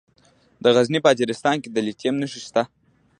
د غزني په اجرستان کې د لیتیم نښې شته.